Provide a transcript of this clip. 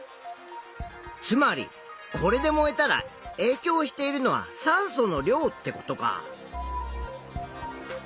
つまりこれで燃えたらえいきょうしているのは酸素の量ってことか。